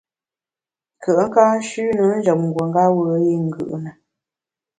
Nkùe’ ka nshüne njem nguongeb’e i ngù’ na.